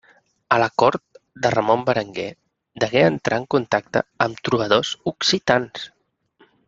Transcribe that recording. A la cort de Ramon Berenguer degué entrar en contacte amb trobadors occitans.